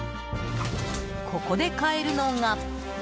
ここで買えるのが。